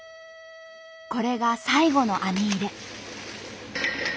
これが最後の網入れ。